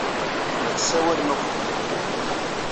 La tessawalem akked tmeṭṭut.